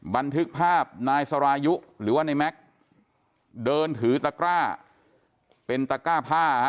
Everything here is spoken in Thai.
บันทึกภาพนายสรายุหรือว่าในแม็กซ์เดินถือตะกร้าเป็นตะกร้าผ้าฮะ